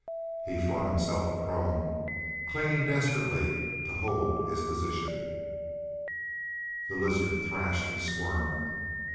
He flung himself prone, clinging desperately to hold his position. The lizard threshed and squirmed.